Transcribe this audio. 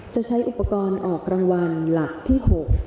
จะใช้อุปกรณ์ออกรางวัลหลักที่๖